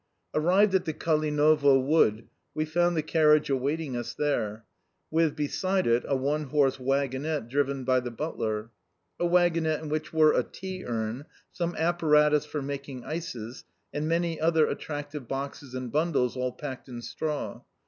Arrived at the Kalinovo wood, we found the carriage awaiting us there, with, beside it, a one horse waggonette driven by the butler a waggonette in which were a tea urn, some apparatus for making ices, and many other attractive boxes and bundles, all packed in straw!